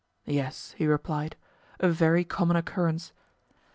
Yes, he replied, a very common occurrence.